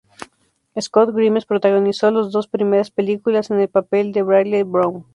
Scott Grimes protagonizó las dos primeras películas en el papel de Bradley Brown.